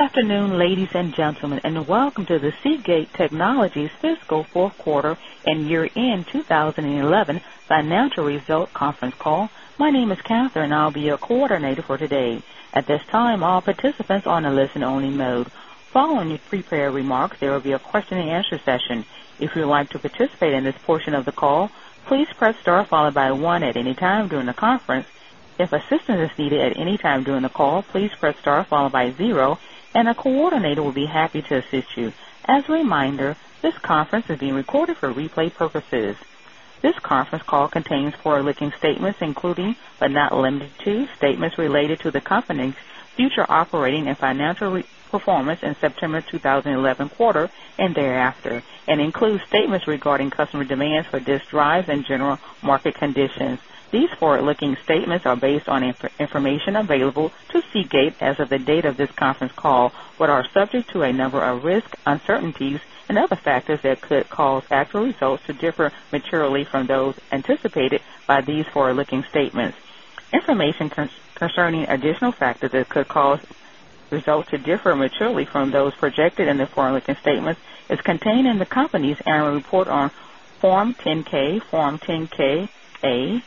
Good afternoon, ladies and gentlemen, and welcome to the Seagate Technology Fiscal Fourth Quarter and Year-End 2011 Financial Results Conference Call. My name is Catherine, and I'll be your coordinator for today. At this time, all participants are on a listen-only mode. Following your prepared remarks, there will be a question-and-answer session. If you would like to participate in this portion of the call, please press star followed by one at any time during the conference. If assistance is needed at any time during the call, please press star followed by zero, and a coordinator will be happy to assist you. As a reminder, this conference is being recorded for replay purposes. This conference call contains forward-looking statements, including but not limited to statements related to the company's future operating and financial performance in the September 2011 quarter and thereafter, and includes statements regarding customer demands for disk drives and general market conditions. These forward-looking statements are based on information available to Seagate as of the date of this conference call, but are subject to a number of risks, uncertainties, and other factors that could cause actual results to differ materially from those anticipated by these forward-looking statements. Information concerning additional factors that could cause results to differ materially from those projected in the forward-looking statements is contained in the company's annual report on Form 10-K, Form 10-K/A,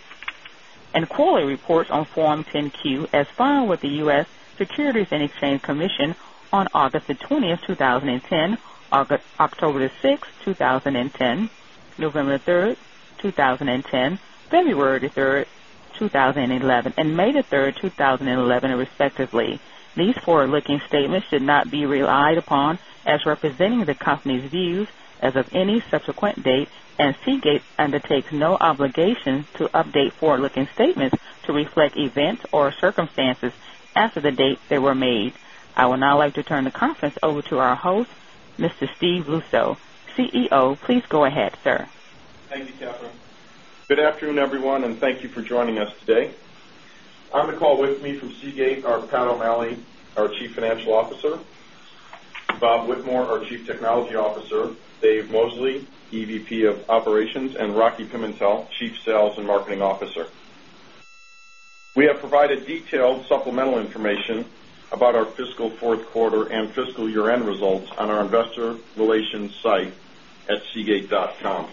and quarterly reports on Form 10-Q as filed with the U.S. Securities and Exchange Commission on August 20th, 2010, October 6th, 2010, November 3th, 2010, February 3rd, 2011, and May 3th, 2011, respectively. These forward-looking statements should not be relied upon as representing the company's views as of any subsequent date, and Seagate undertakes no obligation to update forward-looking statements to reflect events or circumstances after the date they were made. I would now like to turn the conference over to our host, Mr. Steve Luczo, CEO. Please go ahead, sir. Thank you, Catherine. Good afternoon, everyone, and thank you for joining us today. On the call with me from Seagate are Pat O'Malley, our Chief Financial Officer, Bob Whitmore, our Chief Technology Officer, Dave Mosley, EVP of Operations, and Rocky Pimentel, Chief Sales and Marketing Officer. We have provided detailed supplemental information about our fiscal fourth quarter and fiscal year-end results on our investor relations site at seagate.com.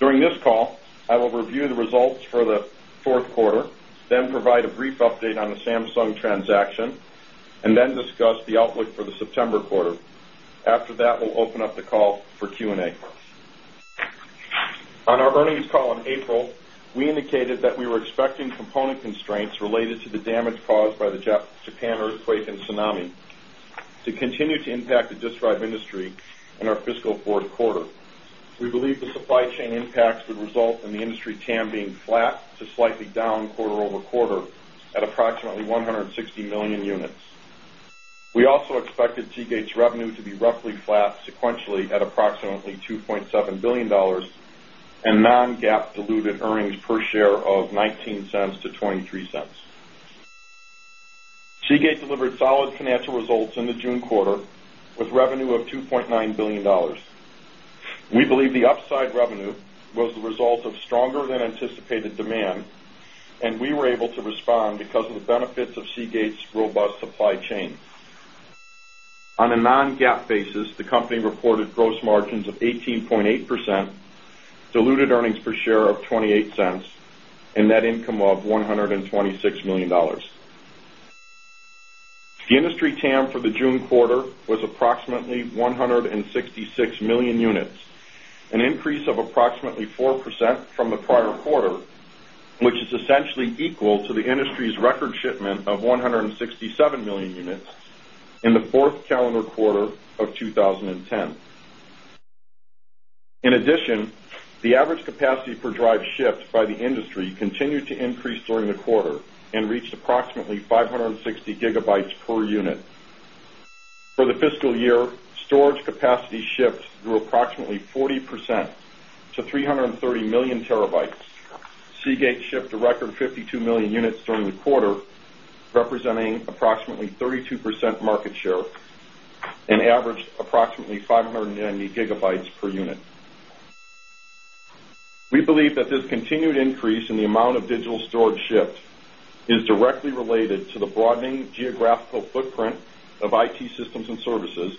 During this call, I will review the results for the fourth quarter, then provide a brief update on the Samsung transaction, and then discuss the outlook for the September quarter. After that, we'll open up the call for Q&A. On our earnings call in April, we indicated that we were expecting component constraints related to the damage caused by the Japan earthquake and tsunami to continue to impact the disk drive industry in our fiscal fourth quarter. We believe the supply chain impact would result in the industry TAM being flat to slightly down quarter-over-quarter at approximately 160 million units. We also expected Seagate's revenue to be roughly flat sequentially at approximately $2.7 billion and non-GAAP diluted earnings per share of $0.19-$0.23. Seagate delivered solid financial results in the June quarter with revenue of $2.9 billion. We believe the upside revenue was the result of stronger than anticipated demand, and we were able to respond because of the benefits of Seagate's robust supply chain. On a non-GAAP basis, the company reported gross margins of 18.8%, diluted earnings per share of $0.28, and net income of $126 million. The industry TAM for the June quarter was approximately 166 million units, an increase of approximately 4% from the prior quarter, which is essentially equal to the industry's record shipment of 167 million units in the fourth calendar quarter of 2010. In addition, the average capacity per drive shipped by the industry continued to increase during the quarter and reached approximately 560 GB per unit. For the fiscal year, storage capacity shipped grew approximately 40% to 330 million TB. Seagate shipped a record 52 million units during the quarter, representing approximately 32% market share and averaged approximately 590 GB per unit. We believe that this continued increase in the amount of digital storage shipped is directly related to the broadening geographical footprint of IT systems and services,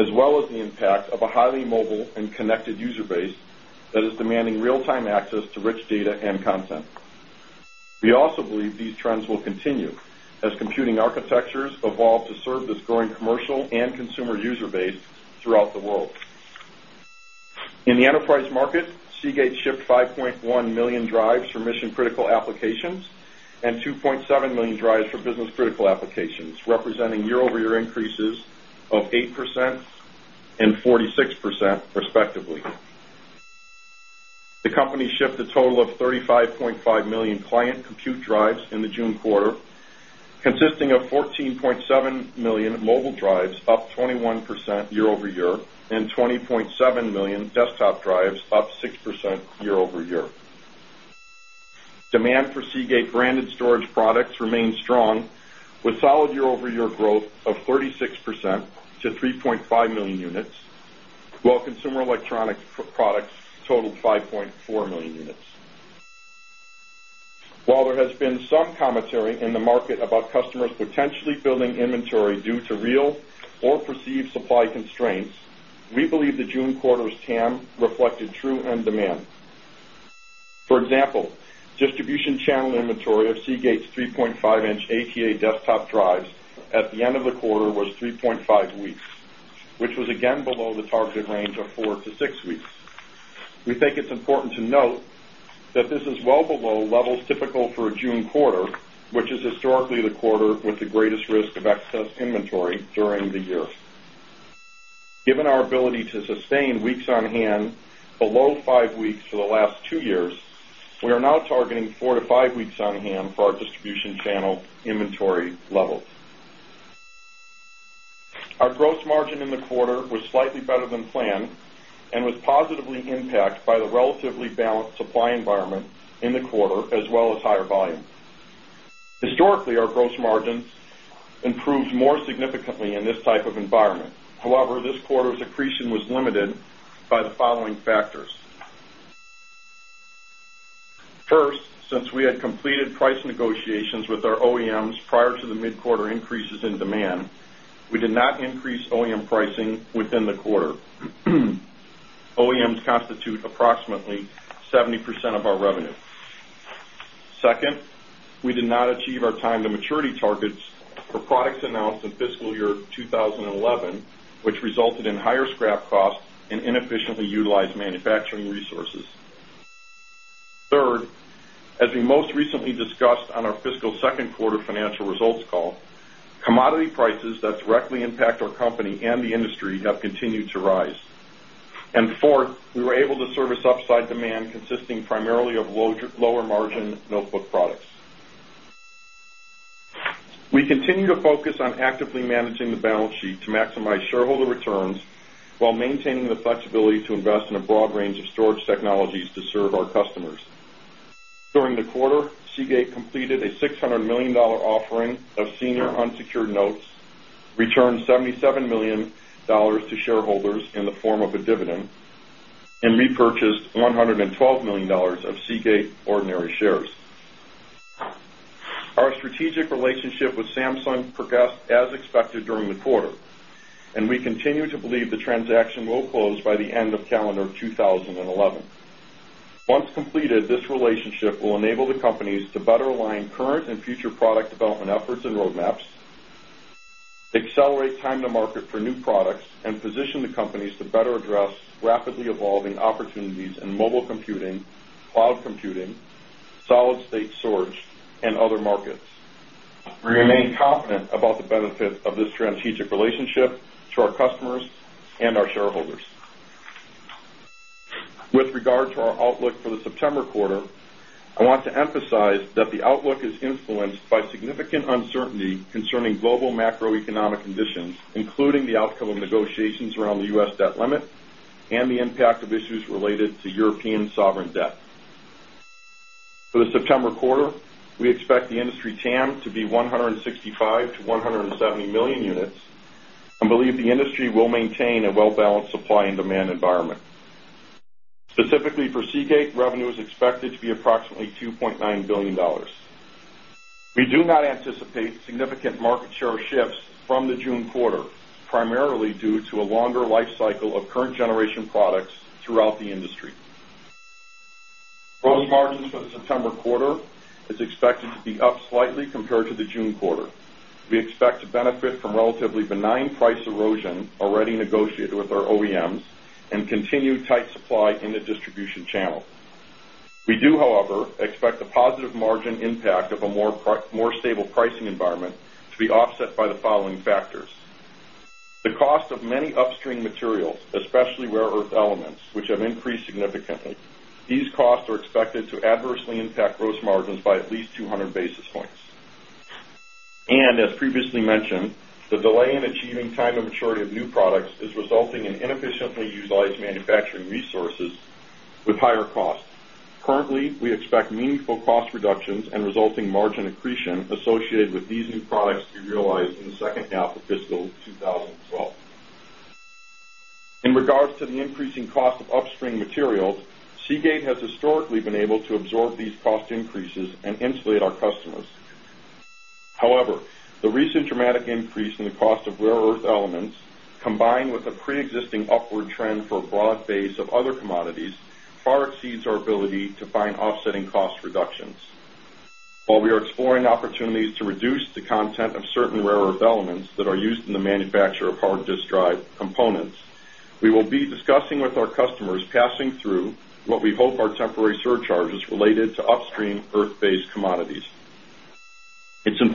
as well as the impact of a highly mobile and connected user base that is demanding real-time access to rich data and content. We also believe these trends will continue as computing architectures evolve to serve the growing commercial and consumer user base throughout the world. In the enterprise market, Seagate shipped 5.1 million drives for mission-critical applications and 2.7 million drives for business-critical applications, representing year-over-year increases of 8% and 46%, respectively. The company shipped a total of 35.5 million client compute drives in the June quarter, consisting of 14.7 million mobile drives, up 21% year-over-year, and 20.7 million desktop drives, up 6% year-over-year. Demand for Seagate branded storage products remains strong, with solid year-over-year growth of 36% to 3.5 million units, while consumer electronics products totaled 5.4 million units. While there has been some commentary in the market about customers potentially building inventory due to real or perceived supply constraints, we believe the June quarter's TAM reflected true end demand. For example, distribution channel inventory of Seagate's 3.5-inch ATA desktop drives at the end of the quarter was 3.5 weeks, which was again below the targeted range of four to six weeks. We think it's important to note that this is well below levels typical for a June quarter, which is historically the quarter with the greatest risk of excess inventory during the year. Given our ability to sustain weeks on hand below five weeks for the last two years, we are now targeting four to five weeks on hand for our distribution channel inventory levels. Our gross margin in the quarter was slightly better than planned and was positively impacted by the relatively balanced supply environment in the quarter, as well as higher volume. Historically, our gross margins improved more significantly in this type of environment. However, this quarter's accretion was limited by the following factors. First, since we had completed price negotiations with our OEMs prior to the mid-quarter increases in demand, we did not increase OEM pricing within the quarter. OEMs constitute approximately 70% of our revenue. Second, we did not achieve our time-to-maturity targets for products announced in fiscal year 2011, which resulted in higher scrap costs and inefficiently utilized manufacturing resources. Third, as we most recently discussed on our fiscal second quarter financial results call, commodity prices that directly impact our company and the industry have continued to rise. Fourth, we were able to service upside demand consisting primarily of lower margin notebook products. We continue to focus on actively managing the balance sheet to maximize shareholder returns while maintaining the flexibility to invest in a broad range of storage technologies to serve our customers. During the quarter, Seagate completed a $600 million offering of senior unsecured notes, returned $77 million to shareholders in the form of a dividend, and repurchased $112 million of Seagate ordinary shares. Our strategic relationship with Samsung progressed as expected during the quarter, and we continue to believe the transaction will close by the end of calendar 2011. Once completed, this relationship will enable the companies to better align current and future product development efforts and roadmaps, accelerate time to market for new products, and position the companies to better address rapidly evolving opportunities in mobile computing, cloud computing, solid-state storage, and other markets. We remain confident about the benefits of this strategic relationship to our customers and our shareholders. With regard to our outlook for the September quarter, I want to emphasize that the outlook is influenced by significant uncertainty concerning global macroeconomic conditions, including the outcome of negotiations around the U.S. debt limit and the impact of issues related to European sovereign debt. For the September quarter, we expect the industry TAM to be 165 million-170 million units and believe the industry will maintain a well-balanced supply and demand environment. Specifically for Seagate, revenue is expected to be approximately $2.9 billion. We do not anticipate significant market share shifts from the June quarter, primarily due to a longer life cycle of current generation products throughout the industry. Closing margins for the September quarter is expected to be up slightly compared to the June quarter. We expect to benefit from relatively benign price erosion already negotiated with our OEM and continued tight supply in the distribution channel. We do, however, expect the positive margin impact of a more stable pricing environment to be offset by the following factors. The cost of many upstream materials, especially rare earth elements, which have increased significantly. These costs are expected to adversely impact gross margins by at least 200 basis points. As previously mentioned, the delay in achieving time to maturity of new products is resulting in inefficiently utilized manufacturing resources with higher costs. Currently, we expect meaningful cost reductions and resulting margin accretion associated with these new products to be realized in the second half of fiscal 2012. In regards to the increasing cost of upstream materials, Seagate has historically been able to absorb these cost increases and insulate our customers. However, the recent dramatic increase in the cost of rare earth elements, combined with a preexisting upward trend for a broad base of other commodities, far exceeds our ability to find offsetting cost reductions. While we are exploring opportunities to reduce the content of certain rare earth elements that are used in the manufacture of hard disk drive components, we will be discussing with our customers passing through what we hope are temporary surcharges related to upstream earth-based commodities.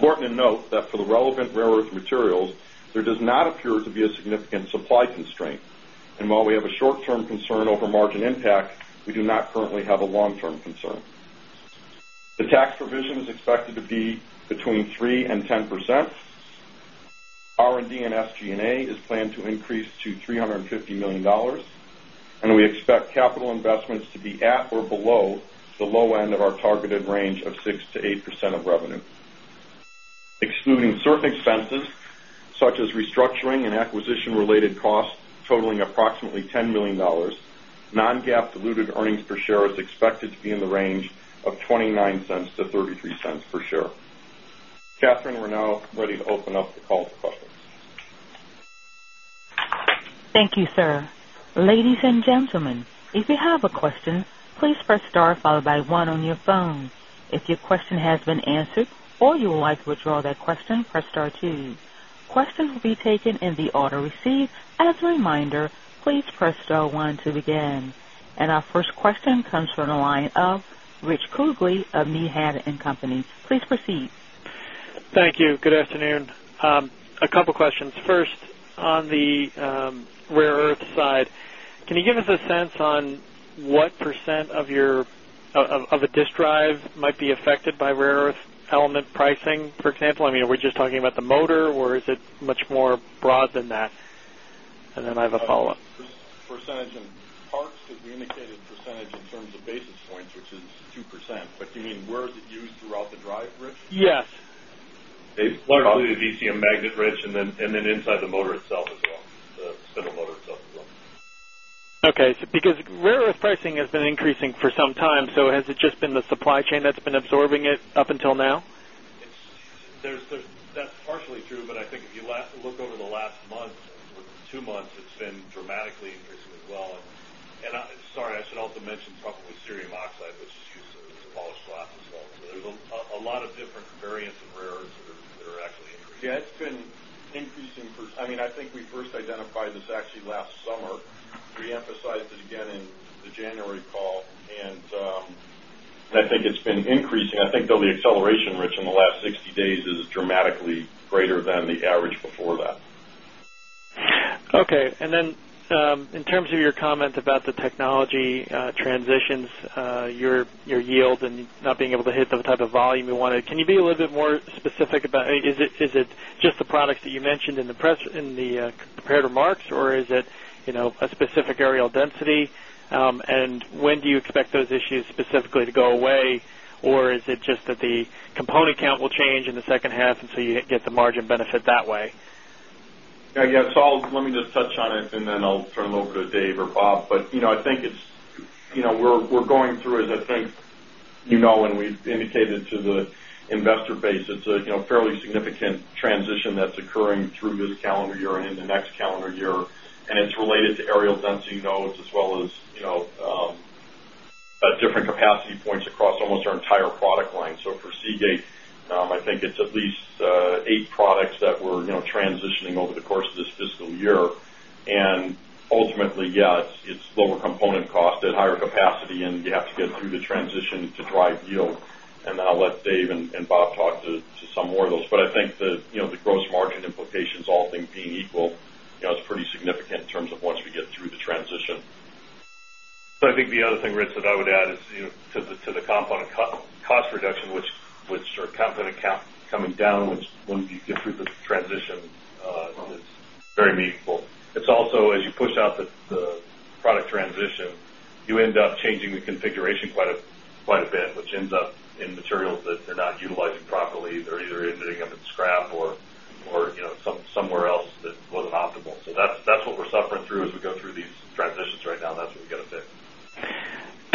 It's important to note that for the relevant rare earth materials, there does not appear to be a significant supply constraint. While we have a short-term concern over margin impact, we do not currently have a long-term concern. The tax provision is expected to be between 3% and 10%. R&D and FT&A is planned to increase to $350 million, and we expect capital investments to be at or below the low end of our targeted range of 6%-8% of revenue. Excluding certain expenses, such as restructuring and acquisition-related costs totaling approximately $10 million, non-GAAP diluted earnings per share is expected to be in the range of $0.29-$0.33 per share. Catherine, we're now ready to open up the call to questions. Thank you, sir. Ladies and gentlemen, if you have a question, please press star followed by one on your phone. If your question has been answered or you would like to withdraw that question, press star two. Questions will be taken in the order received. As a reminder, please press star one to begin. Our first question comes from the line of Rich Kugele of Needham & Company. Please proceed. Thank you. Good afternoon. A couple of questions. First, on the rare earth side, can you give us a sense on what percent of your disk drive might be affected by rare earth element pricing, for example? I mean, are we just talking about the motor, or is it much more broad than that? I have a follow-up. Percentage in parts to be indicated in percentage in terms of basis points, which is 2%. You mean where is it used throughout the drive, Rich? Yes. It's largely the DCM magnet, Rich, and then inside the motor itself as well, the center motor itself as well. Okay. Because rare earth pricing has been increasing for some time, has it just been the supply chain that's been absorbing it up until now? That's partially true, but I think if you look over the last month or two months, it's been dramatically increasing as well. I'm sorry, I should also mention probably cerium oxide, which is used in these polished blasts as well. There are a lot of different variants of rare earth that are actually increasing. It's been increasing for, I mean, I think we first identified this actually last summer. We emphasized it again in the January call. I think the acceleration, Rich, in the last 60 days is dramatically greater than the average before that. Okay. In terms of your comment about the technology transitions, your yield and not being able to hit the type of volume you wanted, can you be a little bit more specific about, is it just the products that you mentioned in the comparative marks, or is it a specific aerial density? When do you expect those issues specifically to go away, or is it just that the component count will change in the second half and so you get the margin benefit that way? Yeah, let me just touch on it, and then I'll turn it over to Dave or Bob. I think we're going through, as I think you know, and we've indicated to the investor base, it's a fairly significant transition that's occurring through this calendar year and in the next calendar year. It's related to aerial density, as well as different capacity points across almost our entire product line. For Seagate, I think it's at least eight products that we're transitioning over the course of this fiscal year. Ultimately, it's lower component cost at higher capacity, and you have to get through the transition to drive yield. I'll let Dave and Bob talk to some more of those. I think the gross margin implications, all things being equal, are pretty significant in terms of once we get through the transition.I think the other thing, Rich, that I would add is, you know, to the component cost reduction, which are component count coming down, which when you get through the transitions, it's very meaningful. It's also, as you push out the product transition, you end up changing the configuration quite a bit, which ends up in materials that they're not utilizing properly. They're either ending up in scrap or, you know, something somewhere else that wasn't optimal. That's what we're suffering through as we go through these transitions right now, and that's what we got to do.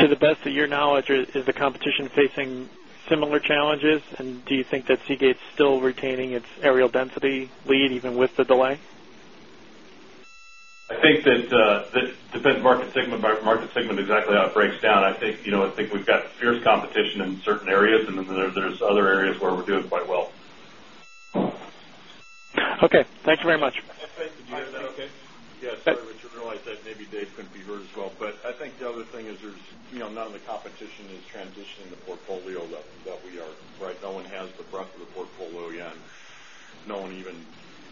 To the best of your knowledge, is the competition facing similar challenges? Do you think that Seagate's still retaining its aerial density lead even with the delay? I think it depends market segment by market segment exactly how it breaks down. I think we've got fierce competition in certain areas, and then there's other areas where we're doing quite well. Okay, thank you very much. I think that you had that, okay? Yes. I realized that maybe Dave couldn't be heard as well. I think the other thing is there's none of the competition transitioning the portfolio that what we are, right? No one has the breadth of the portfolio yet. No one even,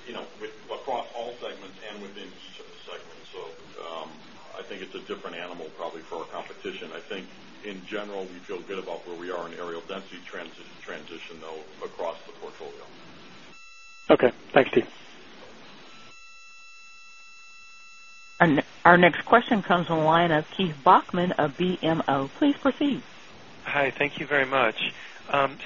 you know, with across all segments and within the service segment as well. I think it's a different animal probably for our competition. I think in general, we feel good about where we are in aerial density transition, though, across the portfolio. Okay, thank you, Steve. Our next question comes from the line of Keith Bachman of BMO. Please proceed. Hi. Thank you very much.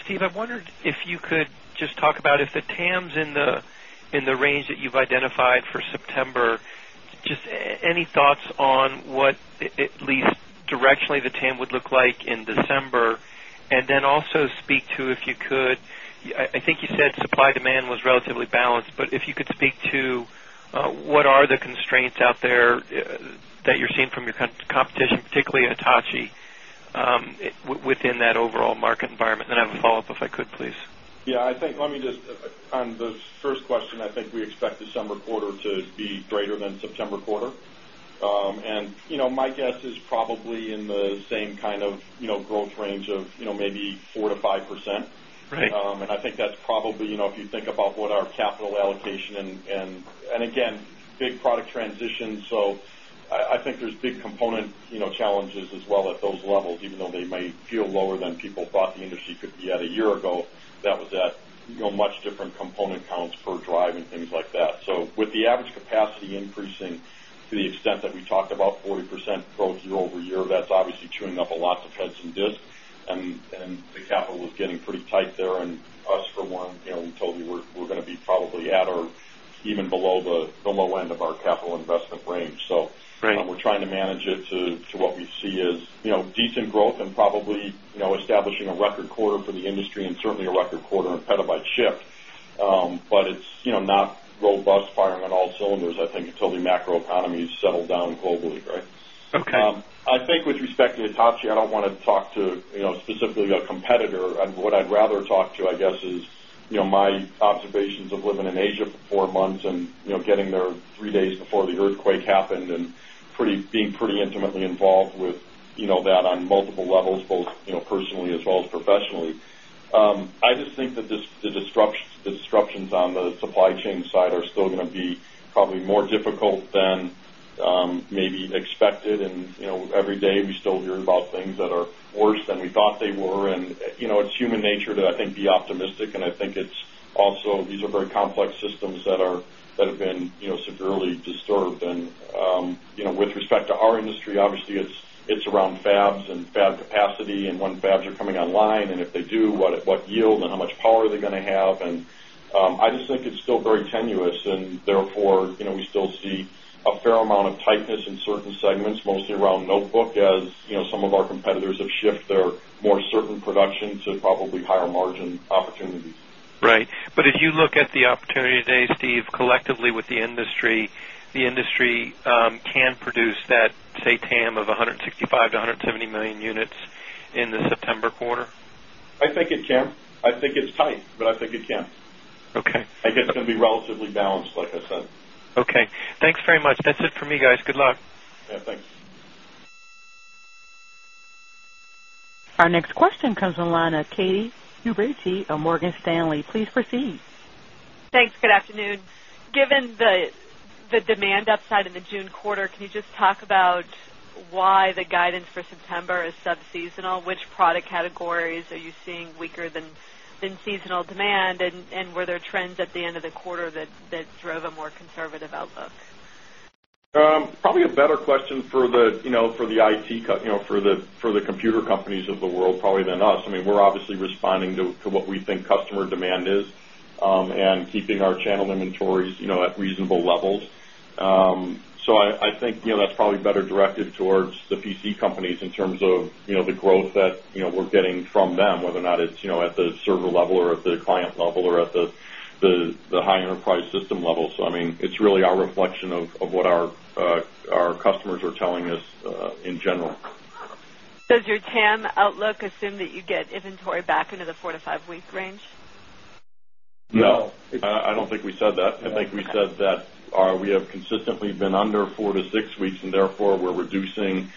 Steve, I wondered if you could just talk about if the TAMs in the range that you've identified for September, just any thoughts on what at least directionally the TAM would look like in December? Also, speak to, if you could, I think you said supply-demand was relatively balanced, but if you could speak to what are the constraints out there that you're seeing from your competition, particularly Hitachi, within that overall market environment? I have a follow-up if I could, please. Yeah, I think let me just, on the first question, I think we expect the summer quarter to be greater than the September quarter. You know, my guess is probably in the same kind of growth range of maybe 4%-5%. Right. I think that's probably, you know, if you think about what our capital allocation and, again, big product transitions. I think there's big component challenges as well at those levels, even though they may feel lower than people thought the industry could be at a year ago. That was at much different component counts per drive and things like that. With the average capacity increasing to the extent that we talked about, 40% growth year-over-year, that's obviously chewing up a lot of heads and disks. The capital is getting pretty tight there. Us, for one, you know, we told you we're going to be probably at or even below the low end of our capital investment range. We're trying to manage it to what we see as decent growth and probably establishing a record quarter for the industry and certainly a record quarter in petabyte shift. It's not robust, firing on all cylinders. I think until the macroeconomy is settled down globally, right? I think with respect to Hitachi, I don't want to talk to, you know, specifically a competitor. What I'd rather talk to, I guess, is my observations of living in Asia for four months and getting there three days before the earthquake happened and being pretty intimately involved with that on multiple levels, both personally as well as professionally. I just think that the disruptions on the supply chain side are still going to be probably more difficult than maybe expected. Every day we still hear about things that are worse than we thought they were. It's human nature to, I think, be optimistic. I think it's also these are very complex systems that have been severely disturbed. With respect to our industry, obviously, it's around fabs and fab capacity and when fabs are coming online, and if they do, what yield and how much power are they going to have? I just think it's still very tenuous. Therefore, we still see a fair amount of tightness in certain segments, mostly around notebook, as some of our competitors have shifted their more certain production to probably higher margin opportunities. Right. If you look at the opportunity today, Steve, collectively with the industry, the industry can produce that, say, TAM of 165 million-170 million units in the September quarter? I think it can. I think it's tight, but I think it can. I think it's going to be relatively balanced, like I said. Okay. Thanks very much. That's it for me, guys. Good luck. Yeah, thanks. Our next question comes on the line of Katy Huberty of Morgan Stanley. Please proceed. Thanks. Good afternoon. Given the demand upside in the June quarter, can you just talk about why the guidance for September is subseasonal? Which product categories are you seeing weaker than seasonal demand? Were there trends at the end of the quarter that drove a more conservative outlook? Probably a better question for the IT, you know, for the computer companies of the world probably than us. I mean, we're obviously responding to what we think customer demand is, and keeping our channel inventories at reasonable levels. I think that's probably better directed towards the PC companies in terms of the growth that we're getting from them, whether or not it's at the server level or at the client level or at the high enterprise system level. It's really our reflection of what our customers are telling us, in general. Does your TAM outlook assume that you get inventory back into the four to five-week range? No, I don't think we said that. I think we said that we have consistently been under four to six weeks, and therefore, we're reducing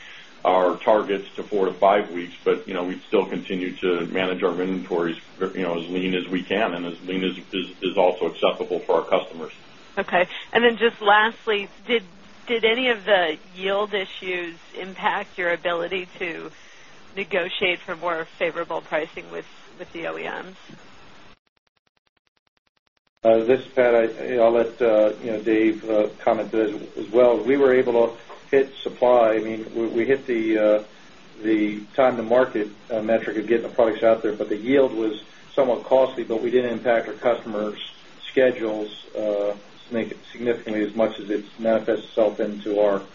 our targets to four to five weeks. We still continue to manage our inventories as lean as we can and as lean as is also acceptable for our customers. Okay. Lastly, did any of the yield issues impact your ability to negotiate for more favorable pricing with the OEMs? Pat, I'll let Dave comment on this as well. We were able to hit supply. I mean, we hit the time-to-market metric of getting the products out there, but the yield was somewhat costly. We didn't impact our customers' schedules significantly, as much as it manifests itself into our P&L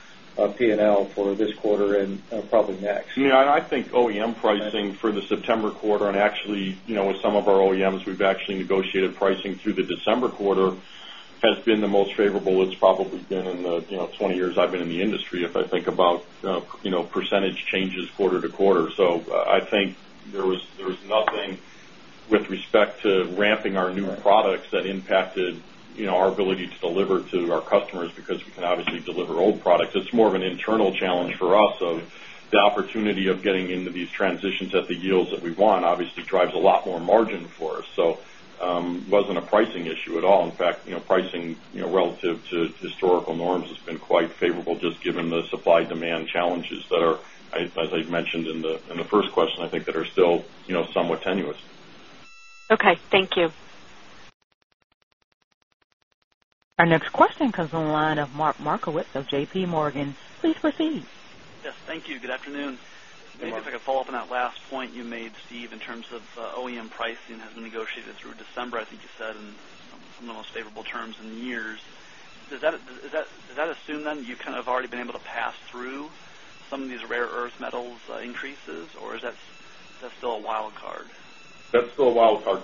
for this quarter and probably next. Yeah. I think OEM pricing for the September quarter, and actually, you know, with some of our OEMs, we've actually negotiated pricing through the December quarter, has been the most favorable it's probably been in the 20 years I've been in the industry if I think about percentage changes quarter to quarter. I think there was nothing with respect to ramping our new products that impacted our ability to deliver to our customers because we can obviously deliver old products. It's more of an internal challenge for us. The opportunity of getting into these transitions at the yields that we want obviously drives a lot more margin for us. It wasn't a pricing issue at all. In fact, pricing relative to historical norms has been quite favorable just given the supply-demand challenges that are, as I mentioned in the first question, I think that are still somewhat tenuous. Okay, thank you. Our next question comes on the line of Mark Miller of JPMorgan. Please proceed. Yes, thank you. Good afternoon. Good afternoon. Maybe if I could follow up on that last point you made, Steve, in terms of OEM pricing as negotiated through December, I think you said, and some of the most favorable terms in years. Does that, is that assumed then you've kind of already been able to pass through some of these rare earth elements increases, or is that still a wild card? That's still a wild card.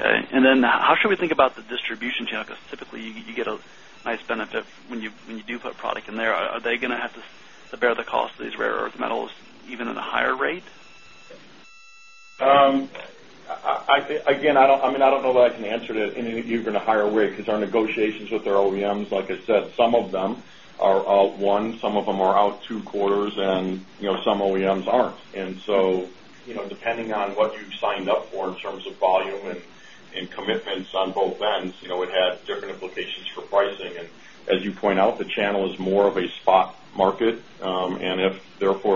Okay. How should we think about the distribution channel? Typically, you get a nice benefit when you do put a product in there. Are they going to have to bear the cost of these rare earth elements even at a higher rate? Again, I don't know that I can answer to any even a higher rate because our negotiations with their OEMs, like I said, some of them are out one, some of them are out two quarters, and some OEMs aren't. Depending on what you signed up for in terms of volume and commitments on both ends, it had different implications for pricing. As you point out, the channel is more of a spot market. If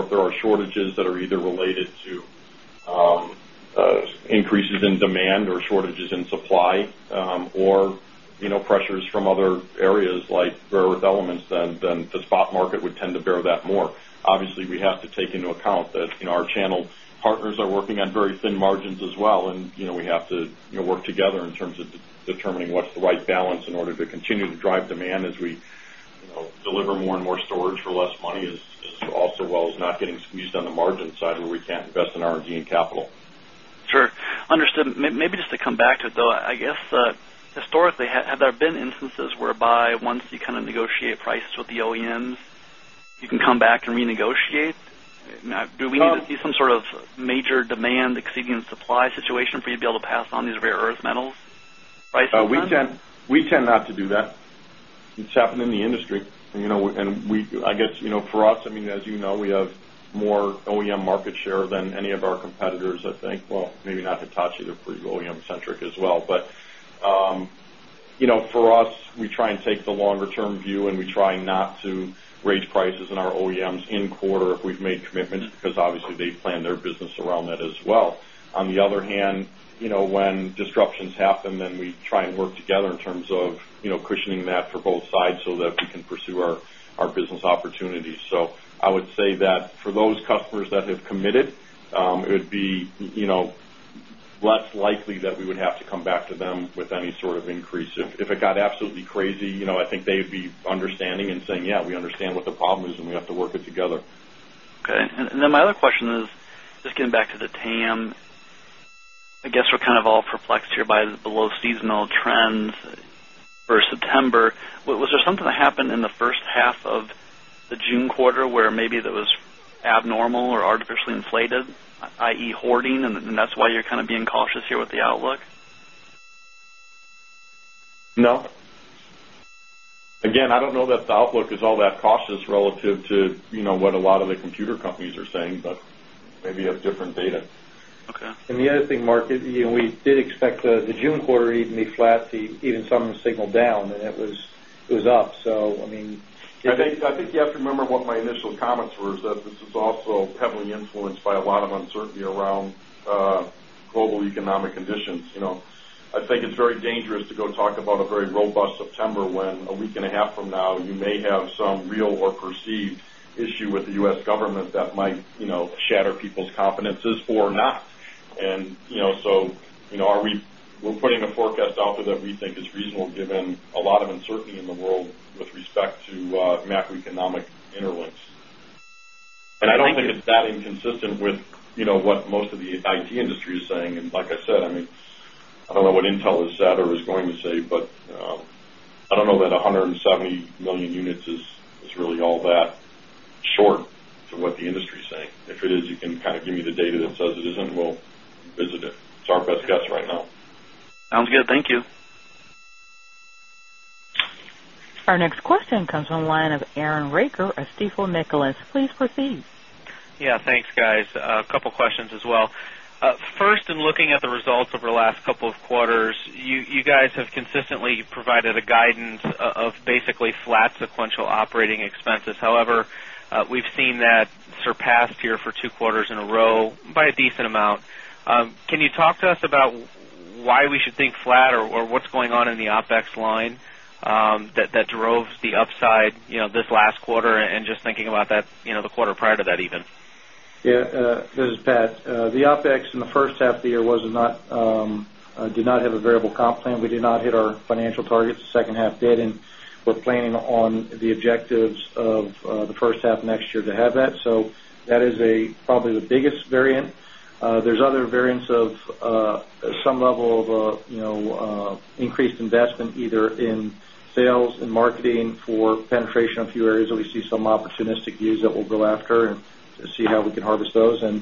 there are shortages that are either related to increases in demand or shortages in supply, or pressures from other areas like rare earth elements, then the spot market would tend to bear that more. Obviously, we have to take into account that our channel partners are working on very thin margins as well. We have to work together in terms of determining what's the right balance in order to continue to drive demand as we deliver more and more storage for less money, while not getting squeezed on the margin side where we can't invest in R&D and capital. Sure. Understood. Maybe just to come back to it, though, I guess historically, have there been instances whereby once you kind of negotiate prices with the OEMs, you can come back and renegotiate? Yes. Do we need to see some sort of major demand exceeding the supply situation for you to be able to pass on these rare earth elements pricing? We tend not to do that. It's happened in the industry, and, you know, for us, as you know, we have more OEM market share than any of our competitors, I think. Maybe not Hitachi. They're pretty OEM-centric as well. For us, we try and take the longer-term view, and we try not to raise prices in our OEMs in quarter if we've made commitments because, obviously, they plan their business around that as well. On the other hand, when disruptions happen, we try and work together in terms of cushioning that for both sides so that we can pursue our business opportunities. I would say that for those customers that have committed, it would be less likely that we would have to come back to them with any sort of increase. If it got absolutely crazy, I think they would be understanding and saying, "Yeah, we understand what the problem is, and we have to work it together. Okay. My other question is, just getting back to the TAM, I guess we're kind of all perplexed here by the below seasonal trends for September. Was there something that happened in the first half of the June quarter where maybe that was abnormal or artificially inflated, i.e., hoarding, and that's why you're kind of being cautious here with the outlook? No. Again, I don't know that the outlook is all that cautious relative to what a lot of the computer companies are saying, but maybe you have different data. Okay. Mark, we did expect the June quarter to even be flat, even some signal down, and it was up. I mean. I think you have to remember what my initial comments were, that this is also heavily influenced by a lot of uncertainty around global economic conditions. I think it's very dangerous to talk about a very robust September when a week and a half from now, you may have some real or perceived issue with the U.S. government that might shatter people's confidences or not. We are putting a forecast out there that we think is reasonable given a lot of uncertainty in the world with respect to macroeconomic interlinks. I don't think it's that inconsistent with what most of the IT industry is saying. Like I said, I don't know what Intel has said or is going to say, but I don't know that 170 million units is really all that short to what the industry is saying. If it is, you can kind of give me the data that says it isn't, and we'll visit it. It's our best guess right now. Sounds good. Thank you. Our next question comes from the line of Aaron Rakers of Stifel Nicolaus. Please proceed. Yeah. Thanks, guys. A couple of questions as well. First, in looking at the results over the last couple of quarters, you guys have consistently provided a guidance of basically flat sequential operating expenses. However, we've seen that surpassed here for two quarters in a row by a decent amount. Can you talk to us about why we should think flat or what's going on in the OpEx line that drove the upside this last quarter and just thinking about that, the quarter prior to that even? Yeah, this is Pat. The OpEx in the first half of the year did not have a variable comp plan. We did not hit our financial targets. The second half did, and we're planning on the objectives of the first half next year to have that. That is probably the biggest variant. There are other variants of some level of increased investment either in sales and marketing for penetration of a few areas that we see some opportunistic views that we'll go after and see how we can harvest those. There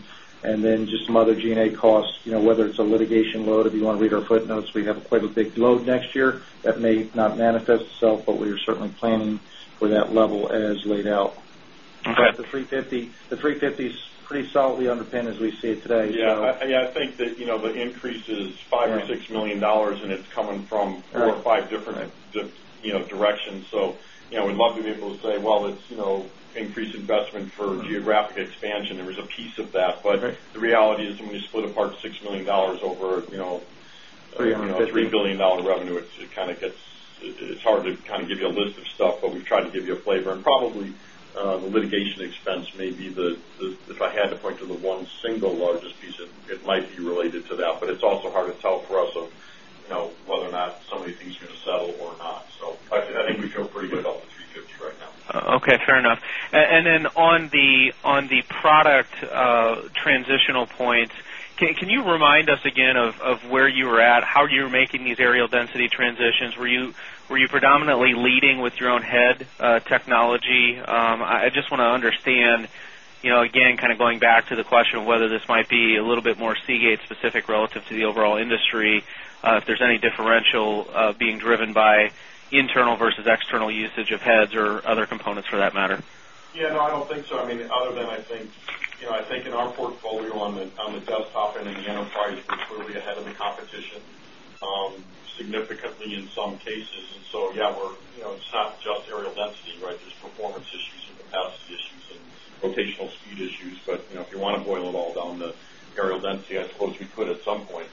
are just some other G&A costs, whether it's a litigation load. If you want to read our footnotes, we have quite a big load next year that may not manifest itself, but we are certainly planning for that level as laid out. The $350 is pretty solidly on the pen as we see it today. Yeah, I think that the increase is $5 million-$6 million, and it's coming from five different types of directions. We'd love to be able to say it's increased investment for geographic expansion. There was a piece of that. The reality is when we split apart $6 million over a $3 billion revenue, it kind of gets, it's hard to kind of give you a list of stuff, but we've tried to give you a flavor. Probably, the litigation expense may be the, if I had to point to the one single largest piece, it might be related to that. It's also hard to tell for us whether or not somebody's easier to sell or not. I think. Okay. Fair enough. On the product transitional points, can you remind us again of where you were at, how you were making these aerial density transitions? Were you predominantly leading with your own head technology? I just want to understand, kind of going back to the question of whether this might be a little bit more Seagate-specific relative to the overall industry, if there's any differential being driven by internal versus external usage of heads or other components for that matter. Yeah. No, I don't think so. I mean, other than I think, you know, I think in our portfolio on the Delta and the NanoPlugs, we're ahead of the competition, significantly in some cases. Yeah, we're, you know, it's not just aerial density, right? There's performance. It's the past. It's in rotational speed issues. If you want to boil it all down to aerial density, I suppose we could at some point.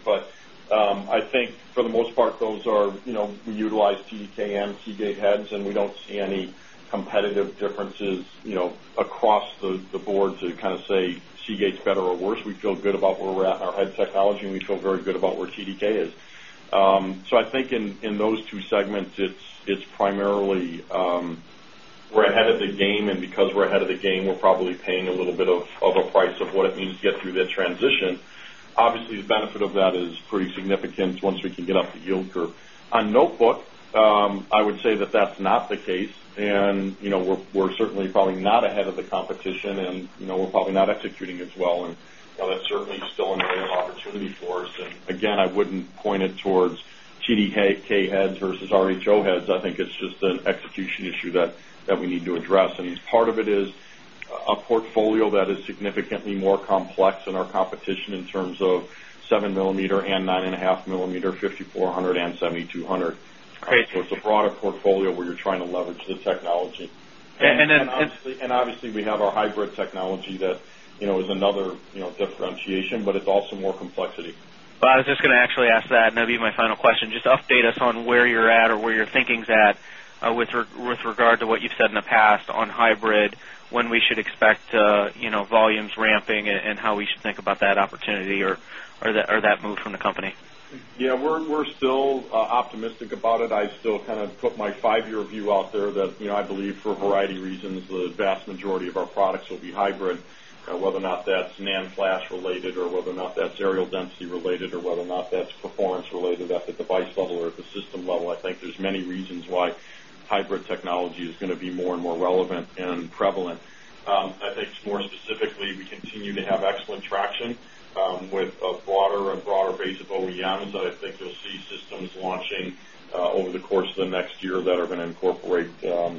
I think for the most part, those are, you know, we utilize TDK and Seagate heads, and we don't see any competitive differences, you know, across the board to kind of say Seagate's better or worse. We feel good about where we're at on our head technology, and we feel very good about where TDK is. I think in those two segments, it's primarily, we're ahead of the game. Because we're ahead of the game, we're probably paying a little bit of a price of what it means to get through that transition. Obviously, the benefit of that is pretty significant once we can get off the yield curve. On notebook, I would say that that's not the case. We're certainly probably not ahead of the competition, and we're probably not executing as well. That's certainly still an area of opportunity for it. Again, I wouldn't point it towards TDK heads versus RHO heads. I think it's just an execution issue that we need to address. Part of it is a portfolio that is significantly more complex than our competition in terms of 7 mm and 9.5 mm, 5400 and 7200. It's a broader portfolio where you're trying to leverage the technology. Obviously, we have our hybrid technology that, you know, is another, you know, differentiation, but it's also more complexity. I was just going to actually ask that, and it'll be my final question. Just update us on where you're at or where your thinking's at with regard to what you've said in the past on hybrid, when we should expect, you know, volumes ramping and how we should think about that opportunity or that move from the company. Yeah. We're still optimistic about it. I still kind of put my five-year view out there that, you know, I believe for a variety of reasons, the vast majority of our products will be hybrid. Whether or not that's NAND flash related, or whether or not that's aerial density related, or whether or not that's performance related at the device level or at the system level, I think there's many reasons why hybrid technology is going to be more and more relevant and prevalent. I think more specifically, we continue to have excellent traction with a broader and broader base of OEMs. I think you'll see systems launching over the course of the next year that are going to incorporate the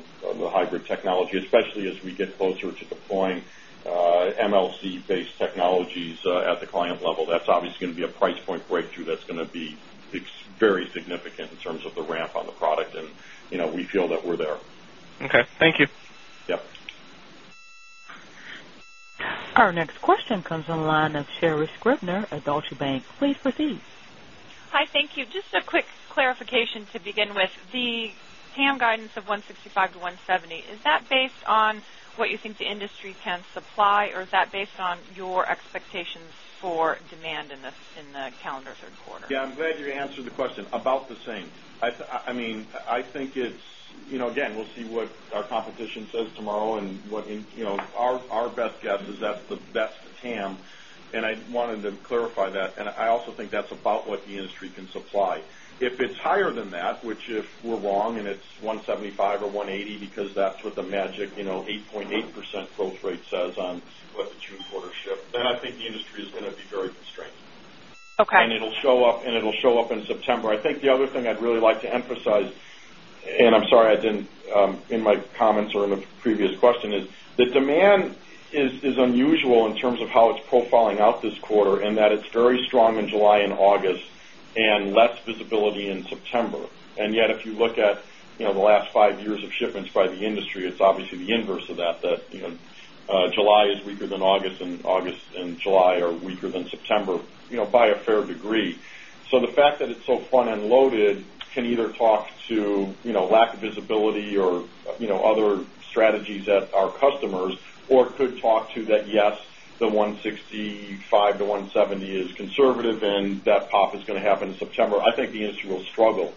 hybrid technology, especially as we get closer to deploying MLC-based technologies at the client level. That's obviously going to be a price point breakthrough that's going to be very significant in terms of the ramp on the product. You know, we feel that we're there. Okay, thank you. Yep. Our next question comes on the line of Sherri Scribner at Deutsche Bank. Please proceed. Hi. Thank you. Just a quick clarification to begin with. The TAM guidance of 165-170, is that based on what you think the industry can supply, or is that based on your expectations for demand in the calendar third quarter? Yeah, I'm glad you answered the question. About the same. I mean, I think it's, you know, again, we'll see what our competition says tomorrow and what, you know, our best guess is that's the TAM. I wanted to clarify that. I also think that's about what the industry can supply. If it's higher than that, which if we're wrong and it's 175 or 180 because that's what the magic, you know, 8.8% growth rate says on what the June quarter shift, then I think the industry is going to be very constrained. It will show up, and it'll show up in September. I think the other thing I'd really like to emphasize, and I'm sorry I didn't in my comments or in the previous question, is the demand is unusual in terms of how it's profiling out this quarter in that it's very strong in July and August and less visibility in September. Yet, if you look at, you know, the last five years of shipments by the industry, it's obviously the inverse of that, that, you know, July is weaker than August, and August and July are weaker than September, you know, by a fair degree. The fact that it's so front-end loaded can either talk to, you know, lack of visibility or, you know, other strategies at our customers or could talk to that, yes, the 165-170 is conservative and that pop is going to happen in September. I think the industry will struggle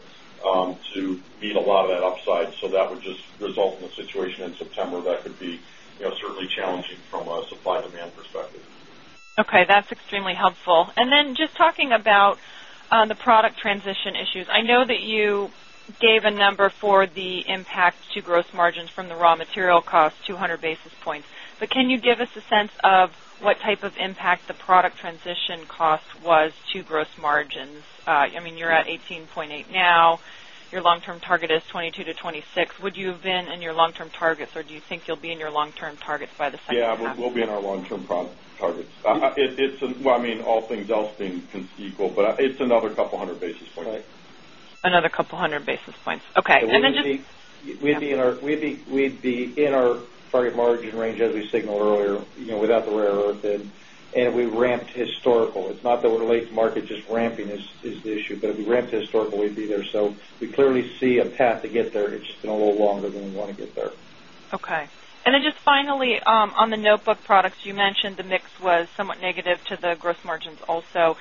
to meet a lot of that upside. That would just result in a situation in September that could be, you know, certainly challenging from a supply-demand perspective. Okay. That's extremely helpful. Just talking about the product transition issues, I know that you gave a number for the impact to gross margin from the raw material costs, 200 basis points. Can you give us a sense of what type of impact the product transition cost was to gross margin? I mean, you're at 18.8% now. Your long-term target is 22%-26%. Would you have been in your long-term targets, or do you think you'll be in your long-term targets by the second quarter? Yeah, we'll be in our long-term targets. It's, I mean, all things else being equal, but it's another couple hundred basis points. Right. Another couple hundred basis points. Okay. Just. We'd be in our target margin range as we signaled earlier, you know, without the rare earth in. If we ramped historical, it's not that we're late to market, just ramping is the issue, but if we ramped historical, we'd be there. We clearly see a path to get there. It's just been a little longer than we want to get there. Okay. Finally, on the notebook products, you mentioned the mix was somewhat negative to the gross margins also.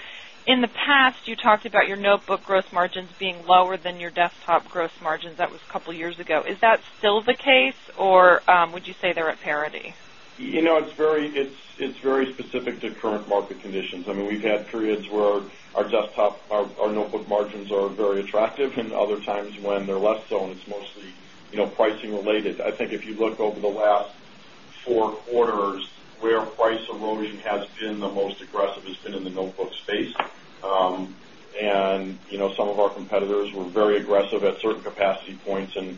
In the past, you talked about your notebook gross margins being lower than your desktop gross margins. That was a couple of years ago. Is that still the case, or would you say they're at parity? You know, it's very specific to current market conditions. I mean, we've had periods where our desktop, our notebook margins are very attractive, and other times when they're less so, and it's mostly pricing related. I think if you look over the last four quarters, rare earth price of low as you have seen the most aggressive has been in the notebook space. Some of our competitors were very aggressive at certain capacity points and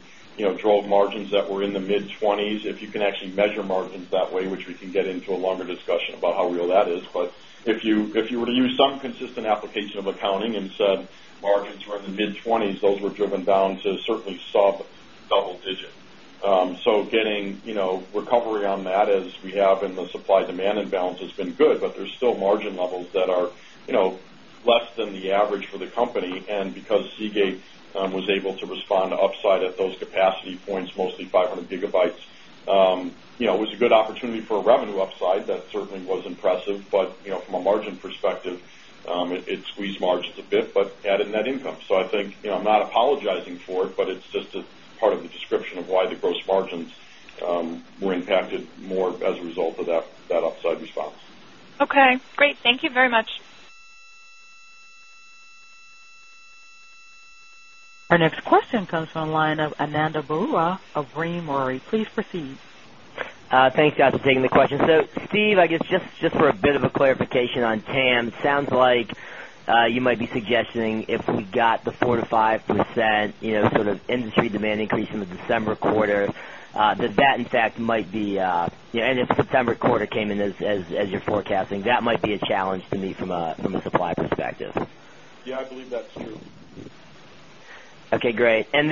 drove margins that were in the mid-20s. If you can actually measure margins that way, which we can get into a longer discussion about how real that is. If you were to use some consistent application of accounting and said margins were in the mid-20s, those were driven down to certainly sub-double digits. Getting recovery on that as we have in the supply-demand imbalance has been good, but there's still margin levels that are less than the average for the company. Because Seagate was able to respond to upside at those capacity points, mostly 500 GB, it was a good opportunity for a revenue upside that certainly was impressive. From a margin perspective, it squeezed margins a bit, but adding that income. I think, I'm not apologizing for it, but it's just a part of the description of why the gross margins were impacted more as a result of that upside response. Okay. Great. Thank you very much. Our next question comes from the line of Ananda Baruah of loop Capital Markets. Please proceed. Thanks, guys, for taking the question. Steve, I guess just for a bit of a clarification on TAM, sounds like you might be suggesting if we've got the 4%-5% industry demand increase from the December quarter, that in fact might be, you know, and if the September quarter came in as you're forecasting, that might be a challenge to meet from a supply perspective. Yeah, I believe that's true. Okay. Great. Is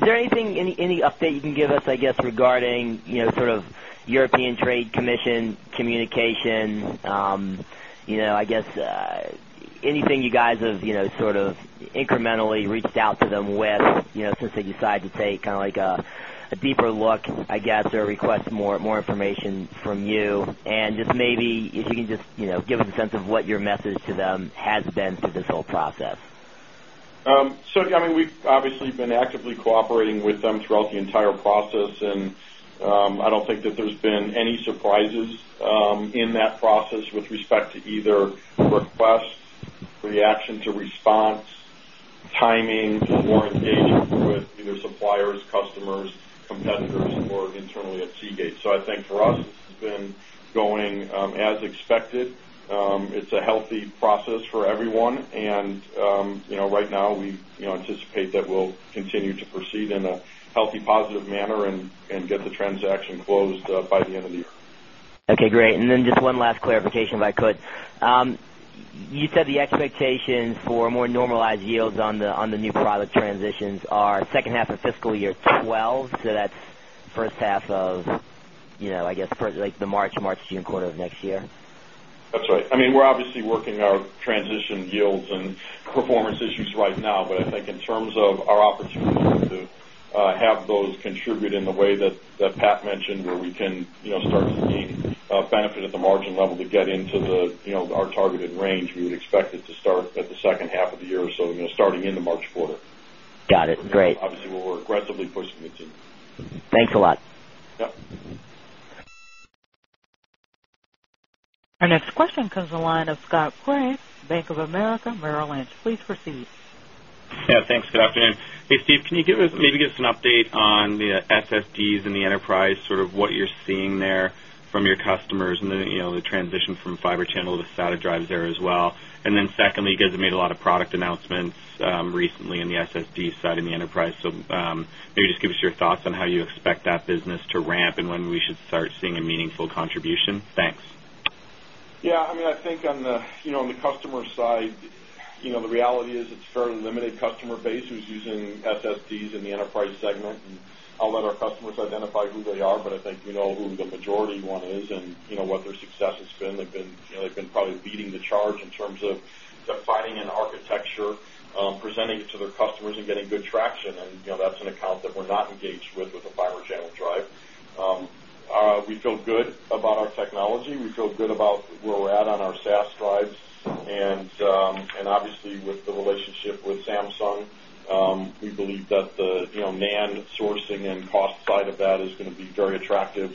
there anything, any update you can give us regarding European Trade Commission communication? Is there anything you have incrementally reached out to them with since they decided to take a deeper look or request more information from you? Maybe if you can just give us a sense of what your message to them has been through this whole process. We've obviously been actively cooperating with them throughout the entire process. I don't think that there's been any surprises in that process with respect to either the request, reaction to response, timing, or engaging with either suppliers, customers, competitors, or internally at Seagate. I think for us, this has been going as expected. It's a healthy process for everyone. Right now, we anticipate that we'll continue to proceed in a healthy, positive manner and get the transaction closed by the end of the year. Okay. Great. Just one last clarification, if I could. You said the expectations for more normalized yields on the new product transitions are second half of fiscal year 2012. That's the first half of, you know, I guess, like the March, June, quarter of next year. That's right. I mean, we're obviously working our transition yields and performance issues right now. I think in terms of our opportunity to have those contribute in the way that Pat mentioned, where we can start to gain benefit at the margin level to get into our targeted range, we'd expect it to start at the second half of the year or so, starting in the March quarter. Got it. Great. Obviously, we'll aggressively push to continue. Thanks a lot. Our next question comes on the line of Scott, Bank of America. Please proceed. Yeah. Thanks. Good afternoon. Hey, Steve, can you give us maybe an update on the SSDs in the enterprise, sort of what you're seeing there from your customers and the transition from fiber channel to SATA drives there as well? Secondly, you guys have made a lot of product announcements recently on the SSD side in the enterprise. Maybe just give us your thoughts on how you expect that business to ramp and when we should start seeing a meaningful contribution. Thanks. Yeah. I mean, I think on the customer side, the reality is it's a very limited customer base who's using SSDs in the enterprise segment. I'll let our customers identify who they are, but I think we know who the majority one is and what their success has been. They've been probably leading the charge in terms of defining an architecture, presenting it to the customers, and getting good traction. That's an account that we're not engaged with with the fiber channel drive. We feel good about our technology. We feel good about where we're at on our SATA drive. Obviously, with the relationship with Samsung, we believe that the NAND sourcing and cost side of that is going to be very attractive.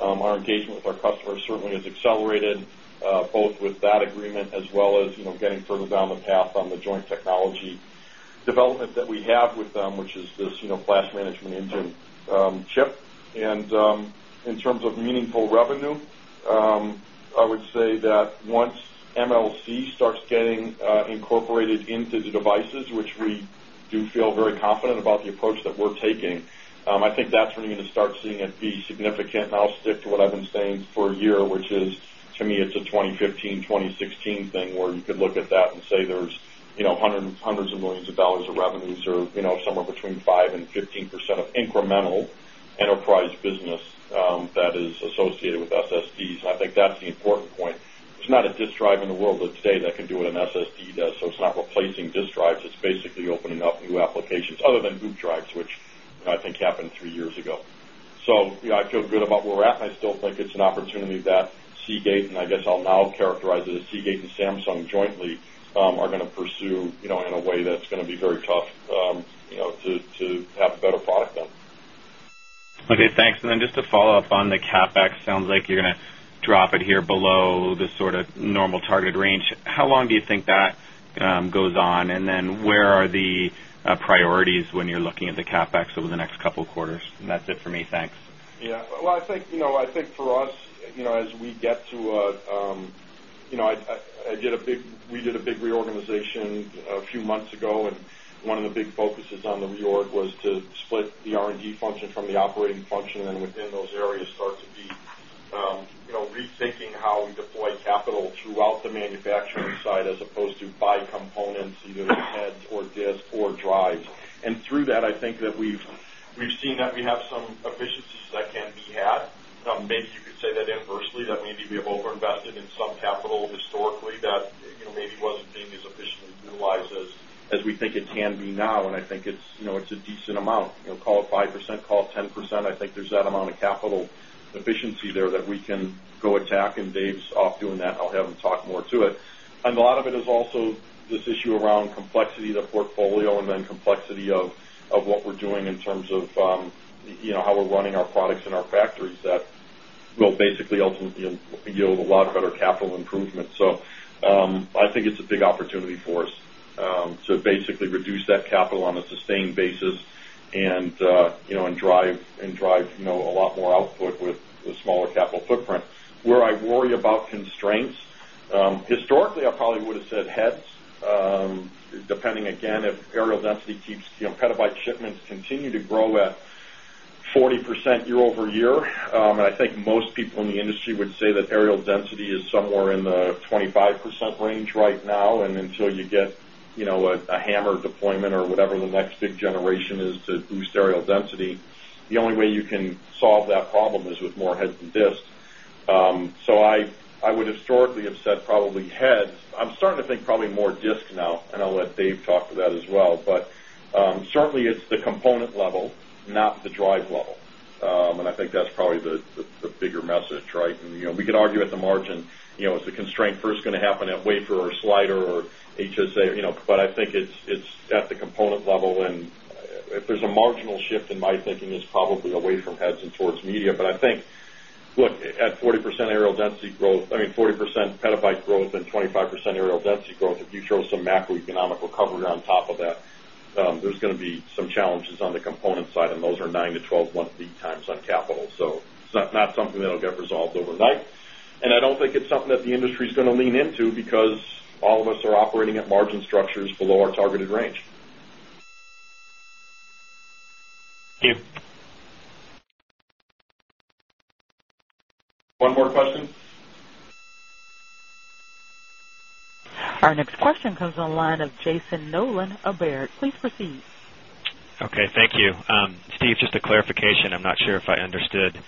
Our engagement with our customers certainly has accelerated, both with that agreement as well as getting further down the path on the joint technology development that we have with them, which is this flash management engine chip. In terms of meaningful revenue, I would say that once MLC starts getting incorporated into the devices, which we do feel very confident about the approach that we're taking, I think that's when you're going to start seeing it be significant. I'll stick to what I've been saying for a year, which is, to me, it's a 2015-2016 thing where you could look at that and say there's hundreds of millions of dollars of revenues or somewhere between 5% and 15% of incremental enterprise business that is associated with SSDs. I think that's the important point. There's not a disk drive in the world, let's say, that could do what an SSD does. It's not replacing disk drives. It's basically opening up new applications other than group drives, which I think happened three years ago. I feel good about where we're at. I still think it's an opportunity that Seagate, and I guess I'll now characterize it as Seagate and Samsung jointly, are going to pursue in a way that's going to be very tough to have a better product than. Okay. Thanks. Just to follow up on the CapEx, it sounds like you're going to drop it here below the sort of normal targeted range. How long do you think that goes on? Where are the priorities when you're looking at the CapEx over the next couple of quarters? That's it for me. Thanks. I think for us, as we get to a, I did a big, we did a big reorganization a few months ago. One of the big focuses on the New York was to split the R&D function from the operating function. Within those areas, we started to be rethinking how we deploy capital throughout the manufacturing side as opposed to buy components, either the heads or disk or drives. Through that, I think that we've seen that we have some efficiencies that can be had. Some basically say that adversely, that maybe we have overinvested in some capital historically that maybe wasn't being as efficiently utilized as we think it can be now. I think it's a decent amount. Call it 5%, call it 10%. I think there's that amount of capital efficiency there that we can go attack. Dave's off doing that. I'll have him talk more to it. A lot of it is also this issue around complexity of the portfolio and then complexity of what we're doing in terms of how we're running our products in our factories that will basically ultimately yield a lot better capital improvement. I think it's a big opportunity for us to basically reduce that capital on a sustained basis and drive a lot more output with a smaller capital footprint. Where I worry about constraints, historically, I probably would have said heads, depending, again, if aerial density keeps, petabyte shipments continue to grow at 40% year-over-year. I think most people in the industry would say that aerial density is somewhere in the 25% range right now. Until you get a HAMR deployment or whatever the next big generation is to boost aerial density, the only way you can solve that problem is with more heads than disks. I would historically have said probably heads. I'm starting to think probably more disks now. I'll let Dave talk to that as well. Certainly, it's the component level, not the drive level. I think that's probably the bigger message, right? We can argue at the margin if the constraint first going to happen at wafer or slider or HSA, but I think it's at the component level. If there's a marginal shift in my thinking, it's probably away from heads and towards media. I think, look, at 40% aerial density growth, I mean, 40% PB growth and 25% aerial density growth, if you throw some macroeconomic coverage on top of that, there's going to be some challenges on the component side. Those are 9 months-12-month lead times on capital. It's not something that'll get resolved overnight. I don't think it's something that the industry is going to lean into because all of us are operating at margin structures below our targeted range. One more question. Our next question comes on the line of Jason Nolan of Baird. Please proceed. Okay. Thank you. Steve, just a clarification. I'm not sure if I understood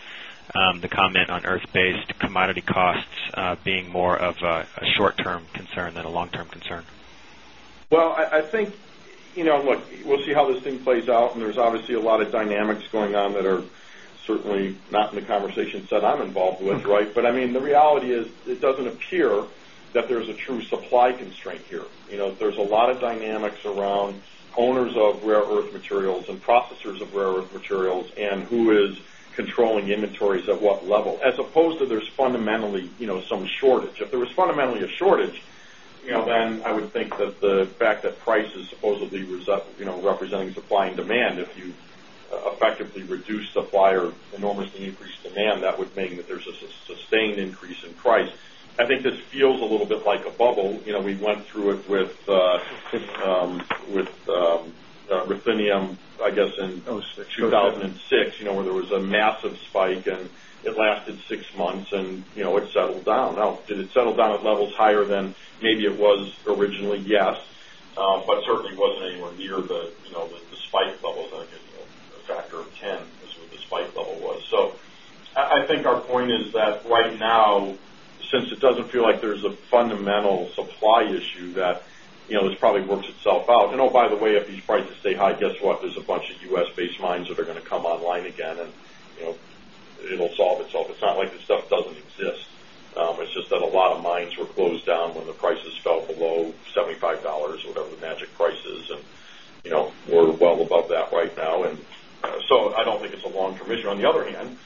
the comment on earth-based commodity costs being more of a short-term concern than a long-term concern. I think, you know, we'll see how this thing plays out. There's obviously a lot of dynamics going on that are certainly not in the conversation set I'm involved with, right? The reality is it doesn't appear that there's a true supply constraint here. There are a lot of dynamics around owners of rare earth materials and profitors of rare earth materials and who is controlling inventories at what level, as opposed to there being fundamentally, you know, some shortage. If there was fundamentally a shortage, then I would think that the fact that price is supposedly representing supply and demand, if you effectively reduce supply or enormously increase demand, that would mean that there's a sustained increase in price. I think this feels a little bit like a bubble. We went through it with lithium, I guess, in 2006, where there was a massive spike, and it lasted six months, and it settled down. Now, did it settle down at levels higher than maybe it was originally? Yes, but certainly, it wasn't anywhere near the spike levels. I think it's a factor of 10 is what the spike level was. Our point is that right now, since it doesn't feel like there's a fundamental supply issue, this probably works itself out. Oh, by the way, if these prices stay high, guess what? There's a bunch of U.S.-based mines that are going to come online again, and it'll solve itself. It's not like this stuff doesn't exist. I should say that a lot of mines were closed down when the prices fell below $75 or whatever the magic price is, and we're well above that right now. I don't think it's a long-term issue. On the other hand,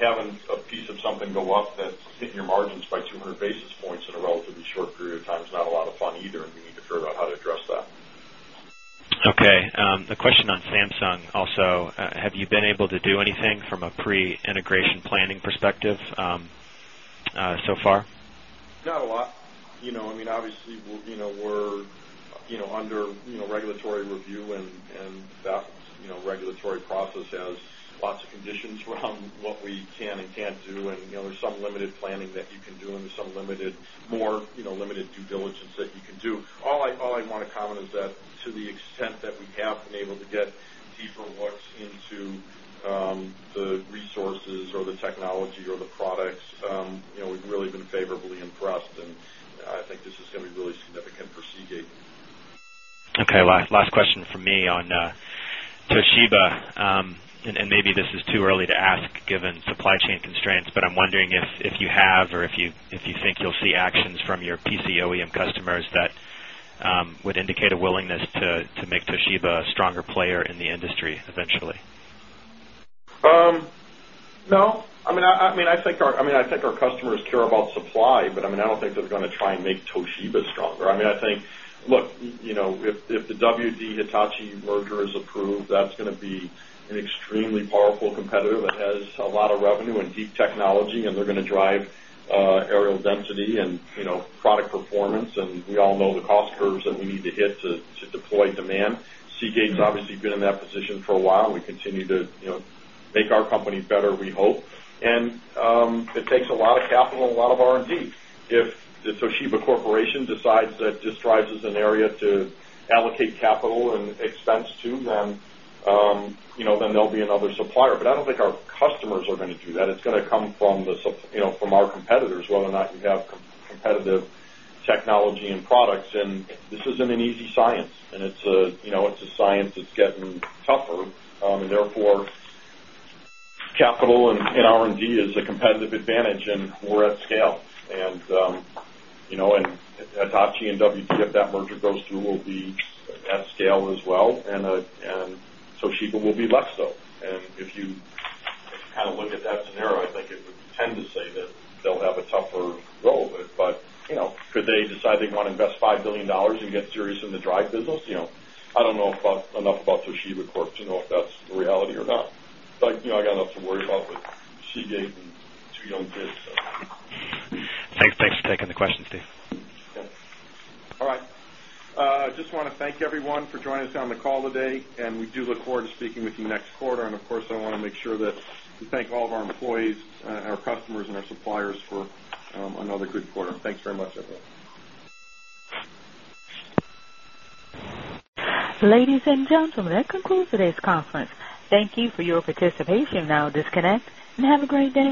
having a piece of something go up that's hitting your margins by 200 basis points in a relatively short period of time is not a lot of fun either. We need to figure out how to address that. Okay, a question on Samsung also. Have you been able to do anything from a pre-integration planning perspective so far? Not a lot. I mean, obviously, we're under regulatory review, and that regulatory process has lots of conditions around what we can and can't do. There's some limited planning that you can do, and there's some more limited due diligence that you can do. All I want to comment is that to the extent that we have been able to get people once into the resources or the technology or the products, we've really been favorably impressed. I think this is going to be really significant for Seagate. Okay. Last question from me on Toshiba. Maybe this is too early to ask given supply chain constraints, but I'm wondering if you have or if you think you'll see actions from your PC OEM customers that would indicate a willingness to make Toshiba a stronger player in the industry eventually. I think our customers care about supply, but I don't think they're going to try and make Toshiba stronger. I think, look, if the WD Hitachi merger is approved, that's going to be an extremely powerful competitor that has a lot of revenue and deep technology, and they're going to drive aerial density and product performance. We all know the cost curves that we need to hit to deploy demand. Seagate has obviously been in that position for a while, and we continue to make our company better, we hope. It takes a lot of capital and a lot of R&D. If the Toshiba Corporation decides that this drive is an area to allocate capital and expense to, then there'll be another supplier. I don't think our customers are going to do that. It's going to come from our competitors, whether or not you have competitive technology and products. This isn't an easy science. It's a science that's getting tougher, and therefore, capital and R&D is a competitive advantage, and we're at scale. Hitachi and WD, if that merger goes through, will be at scale as well, and Toshiba will be less so. If you had a look at that scenario, I think it would tend to say that they'll have a tougher go of it. Could they decide they want to invest $5 billion and get serious in the drive business? I don't know if I know enough about Toshiba Corporation to know if that's the reality or not, but I got nothing to worry about with Seagate and Yonta and stuff. Thanks. Thanks for taking the question, Steve. All right. I just want to thank everyone for joining us on the call today. We do look forward to speaking with you next quarter. I want to make sure to thank all of our employees, our customers, and our suppliers for another good quarter. Thanks very much, everyone. Ladies and gentlemen, that concludes today's conference. Thank you for your participation. Please disconnect and have a great day.